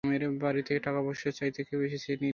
গ্রামের বাড়ি থেকে টাকা-পয়সা চাইতে কেউ এসেছে নির্ঘাত।